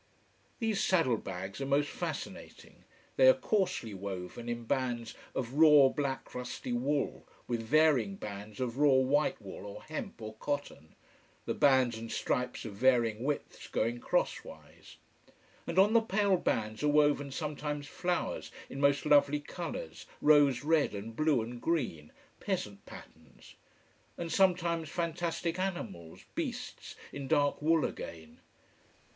These saddle bags are most fascinating. They are coarsely woven in bands of raw black rusty wool, with varying bands of raw white wool or hemp or cotton the bands and stripes of varying widths going cross wise. And on the pale bands are woven sometimes flowers in most lovely colours, rose red and blue and green, peasant patterns and sometimes fantastic animals, beasts, in dark wool again.